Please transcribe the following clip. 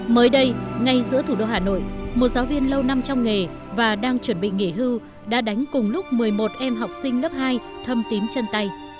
mới đây ngay giữa thủ đô hà nội một giáo viên lâu năm trong nghề và đang chuẩn bị nghỉ hưu đã đánh cùng lúc một mươi một em học sinh lớp hai thâm tím chân tay